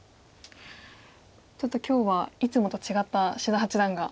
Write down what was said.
ちょっと今日はいつもと違った志田八段が。